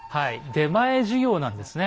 「出前授業」なんですね。